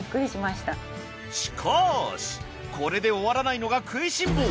しかしこれで終わらないのがくいしん坊！